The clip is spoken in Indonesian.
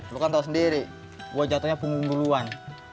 lu kan tau sendiri gua jatohnya punggung duluan